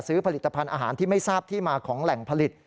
ซื้อผลิตภัณฑ์อาหารที่ไม่ทราบที่มาของแหล่งผลิต